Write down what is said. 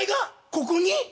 ここに？